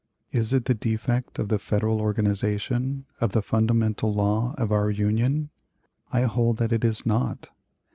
Is it the defect of the Federal organization, of the fundamental law of our Union? I hold that it is not.